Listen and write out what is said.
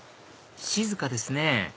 静かですね